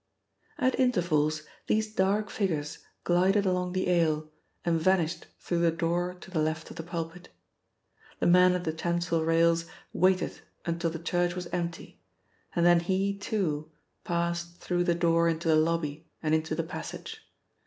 At intervals these dark figures glided along the aisle and vanished through the door to the left of the pulpit. The man at the chancel rails waited until the church was empty and then he, too, passed through the door into the lobby and into the passage.